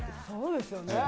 そうですよね。